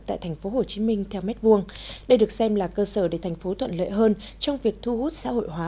tại tp hcm theo mét vuông đây được xem là cơ sở để thành phố thuận lợi hơn trong việc thu hút xã hội hóa